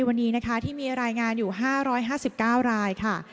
วันนี้นะคะที่มีรายงานอยู่๕๕๙รายค่ะ